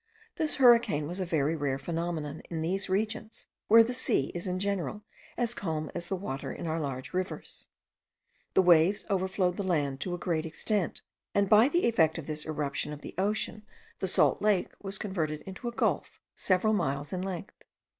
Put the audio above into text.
This hurricane was a very rare phenomenon in these regions, where the sea is in general as calm as the water in our large rivers. The waves overflowed the land to a great extent; and by the effect of this eruption of the ocean the salt lake was converted into a gulf several miles in length.